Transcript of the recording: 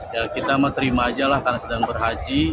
ya kita menerima ajalah karena sedang berhaji